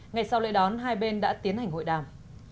ngày sau lễ đón hai bên đã tiến hành hội đàm